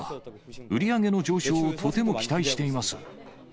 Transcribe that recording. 売り上げの上昇をとても期待しています。